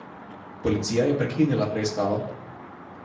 Policija je prekinila preiskavo.